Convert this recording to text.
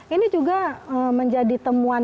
ini juga menjadi temuan